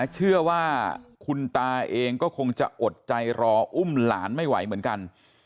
เชื่อว่าคุณตาเองก็คงจะอดใจรออุ้มหลานไม่ไหวเหมือนกัน